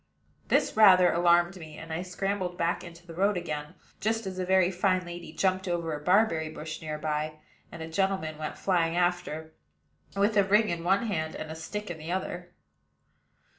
This rather alarmed me; and I scrambled back into the road again, just as a very fine lady jumped over a barberry bush near by, and a gentleman went flying after, with a ring in one hand and a stick in the other.